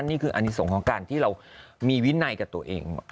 นี่คืออนิสงฆ์ของการที่เรามีวินัยกับตัวเอง